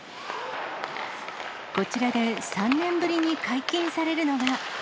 こちらで３年ぶりに解禁されるのが。